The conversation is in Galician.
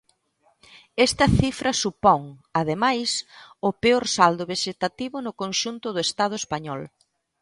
Esta cifra supón, ademais, o peor saldo vexetativo no conxunto do Estado español.